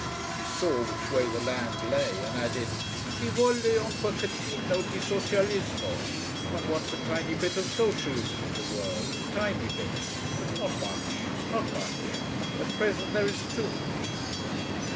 She saw which way the land lay, and added: "Si vuole un pocchetino di Socialismo: one wants a tiny bit of socialism in the world, a tiny bit. But not much. Not much. At present there is too much."